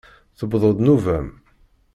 Tewweḍ-d nnuba-m!